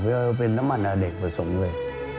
เพื่อเป็นน้ำมันอเด็กผสมด้วย